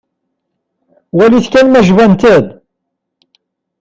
Walit kan ma jbant-d.